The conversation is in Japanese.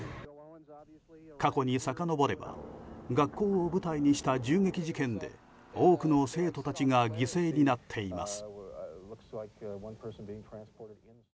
過去にさかのぼれば学校を舞台にした銃撃事件で多くの生徒たちが犠牲になっています。